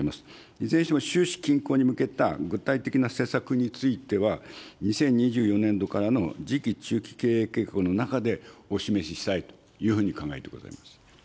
いずれにしても、収支均衡に向けた具体的な施策については、２０２４年度からの次期中期経営計画の中でお示ししたいというふうに考えてございます。